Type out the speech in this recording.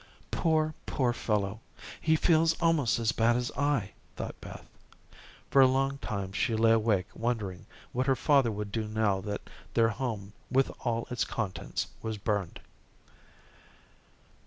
"Poor, poor fellow, he feels almost as bad as I," thought Beth. For a long time she lay awake wondering what her father would do now that their home with all its contents was burned.